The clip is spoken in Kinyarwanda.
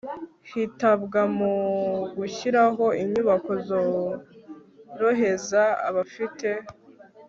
hitabwa mu gushyiraho inyubako zorohereza abafite